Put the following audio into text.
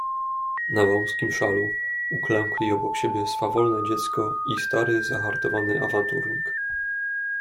"Na wąskim szalu uklękli obok siebie swawolne dziecko i stary, zahartowany awanturnik."